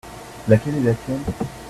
Laquelle est la tienne ?